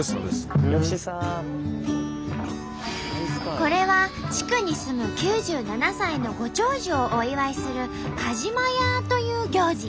これは地区に住む９７歳のご長寿をお祝いする「カジマヤー」という行事。